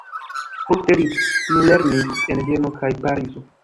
Poste li plulernis en Vieno kaj Parizo.